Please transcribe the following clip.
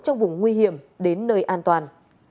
trong vùng nguy hiểm đến nơi an toàn